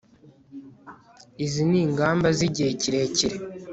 izi ni ingamba z'igihe kirekire